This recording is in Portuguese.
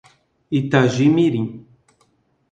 Itagimirim